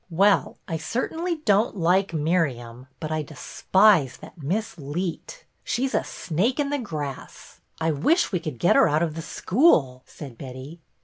" Well, I certainly don't like Miriam, but I despise that Miss Leet. She 's a snake in the grass. I wish we could get her out of the school," said Betty.